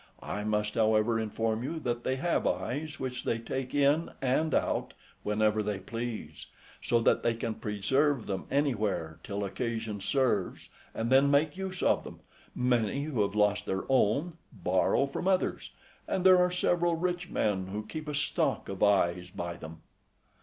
I must, however, inform you that they have eyes which they take in and out whenever they please: so that they can preserve them anywhere till occasion serves, and then make use of them; many who have lost their own, borrow from others; and there are several rich men who keep a stock of eyes by them.